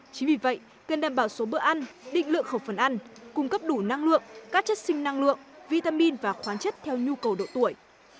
chính vì vậy cần đảm bảo số bữa ăn định lượng khẩu phần ăn cung cấp đủ năng lượng các chất sinh năng lượng vitamin và khoáng chất theo nhu cầu độ tuổi